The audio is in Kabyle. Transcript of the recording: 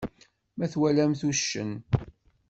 Ma twalam uccen.